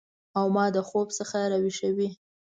او ما د خوب څخه راویښوي